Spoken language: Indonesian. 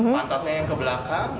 pantatnya yang ke belakang